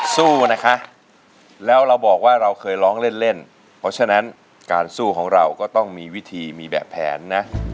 สู้นะคะแล้วเราบอกว่าเราเคยร้องเล่นเล่นเพราะฉะนั้นการสู้ของเราก็ต้องมีวิธีมีแบบแผนนะ